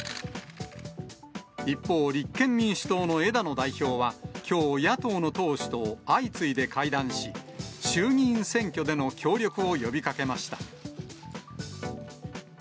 一方、立憲民主党の枝野代表は、きょう、野党の党首と相次いで会談し、衆議院選挙での協力を呼びかけました。